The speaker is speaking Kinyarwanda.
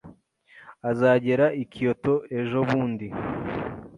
Azagera i Kyoto ejobundi